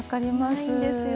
ないんですよ。